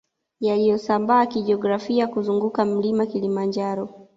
Yaliyosambaa kijiografia kuzunguka mlima Kilimanjaro